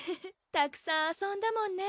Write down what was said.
たくさん遊んだもんね